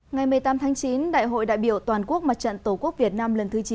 ngày một mươi tám tháng chín đại hội đại biểu toàn quốc mặt trận tổ quốc việt nam lần thứ chín